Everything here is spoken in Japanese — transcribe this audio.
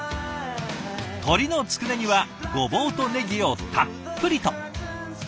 鶏のつくねにはゴボウとネギをたっぷりと。